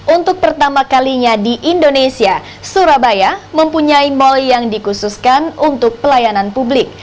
untuk pertama kalinya di indonesia surabaya mempunyai mal yang dikhususkan untuk pelayanan publik